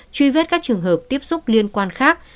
truy vết các trường hợp tiếp xúc liên quan khác